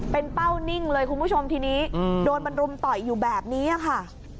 เป็นเป้านิ่งเลยคุณผู้ชมทีนี้โดนมันรุมต่อยอยู่แบบนี้ค่ะ